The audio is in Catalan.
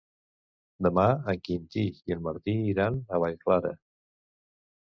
Demà en Quintí i en Martí iran a Vallclara.